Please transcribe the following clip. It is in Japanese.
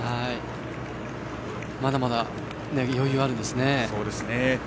まだまだ余裕あるんですね。